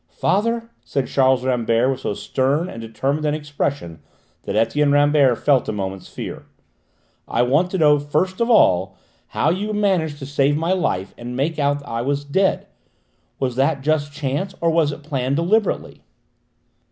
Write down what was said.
"Father," said Charles Rambert with so stern and determined an expression that Etienne Rambert felt a moment's fear. "I want to know first of all how you managed to save my life and make out that I was dead. Was that just chance, or was it planned deliberately?"